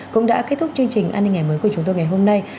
cũng đã kết thúc chương trình an ninh ngày mới của chúng tôi ngày hôm nay